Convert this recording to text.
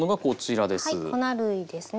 粉類ですね。